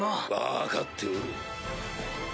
分かっておる。